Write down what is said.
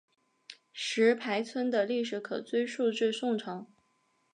石牌村的历史可追溯至宋朝。